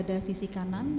kemudian masuk ke sisi kanan